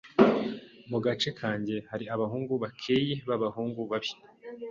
Mu gace kanjye hari abahungu bakeyi b'abahungu babi.